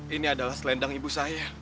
ini adalah selendang ibu saya